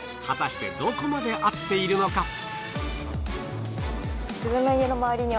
果たしてどこまで合っているのか？